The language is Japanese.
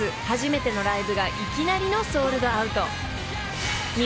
初めてのライブがいきなりのソールドアウト］